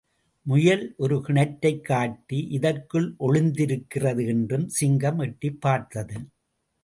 முயல் ஒரு கிணற்றைக் காட்டி, இதற்குள் ஒளிந்திருக்கிறது என்றதும், சிங்கம் எட்டிப் பார்த்தது.